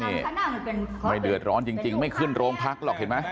นี่ไม่เดือดร้อนจริงไม่ขึ้นโรงพักหรอกเห็นไหม